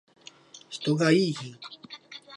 人がいーひん